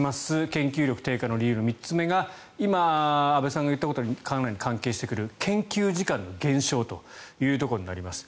研究力低下の理由の３つ目が今、安部さんが言ったことにかなり関連してくる研究時間の減少というところになります。